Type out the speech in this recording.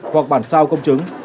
hoặc bản sao công chứng